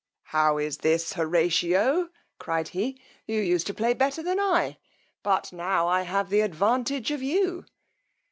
How is this, Horatio, cried he; you used to play better than I, butt now I have the advantage of you.